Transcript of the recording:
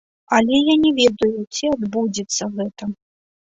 Але я не ведаю, ці адбудзецца гэта.